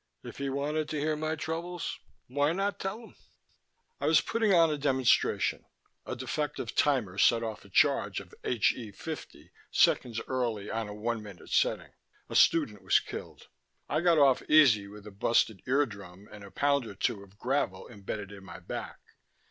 If he wanted to hear my troubles, why not tell him? "I was putting on a demonstration. A defective timer set off a charge of H E fifty seconds early on a one minute setting. A student was killed; I got off easy with a busted eardrum and a pound or two of gravel imbedded in my back.